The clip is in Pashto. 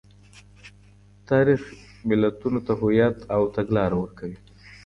تاریخ ملتونو ته هویت او تګلاره ورکوي.